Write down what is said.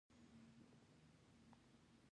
ځینې کارونه د اخروي انګېزو له مخې ترسره شوي دي.